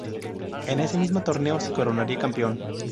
En ese mismo torneo se coronaría campeón.